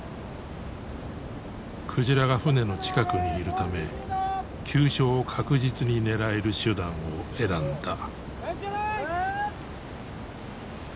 鯨が船の近くにいるため急所を確実に狙える手段を選んだ。